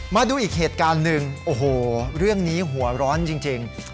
มาดูอีกเหตุการณ์หนึ่งโอ้โหเรื่องนี้หัวร้อนจริง